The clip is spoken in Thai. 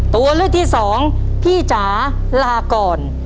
ตัวเลือกที่สองพี่จ๋าลาก่อน